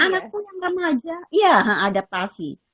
anakku yang remaja iya adaptasi